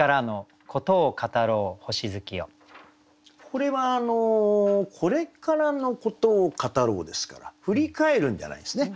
これは「これからの事を語らふ」ですから振り返るんじゃないですね。